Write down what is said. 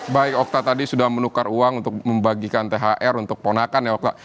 baik okta tadi sudah menukar uang untuk membagikan thr untuk ponakan ya okta